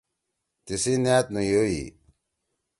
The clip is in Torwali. تیِسی نأت نیڙوئ ۔